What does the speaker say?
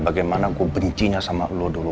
bagaimana gue bencinya sama lo dulu